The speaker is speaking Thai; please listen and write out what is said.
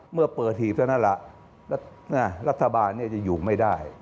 เมื่อเปิดหีบธนระรัฐบาลจะอยู่ไม่ได้